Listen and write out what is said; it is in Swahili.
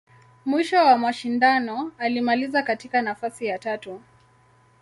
Mwisho wa mashindano, alimaliza katika nafasi ya tatu.